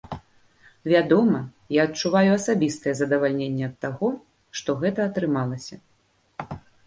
Вядома, я адчуваю асабістае задавальненне ад таго, што гэта атрымалася.